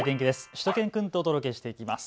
しゅと犬くんとお届けしていきます。